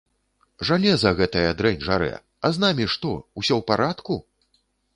Жалеза гэтая дрэнь жарэ, а з намі што, усё ў парадку?